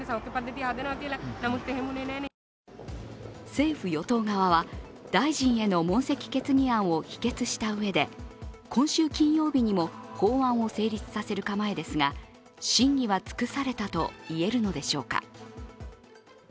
政府・与党側は大臣への問責決議案を否決したうえで今週金曜日にも法案を成立させる構えですが、審議は尽くされたと言えるのでしょうか。